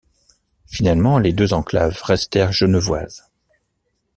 Finalement, les deux enclaves restèrent genevoises.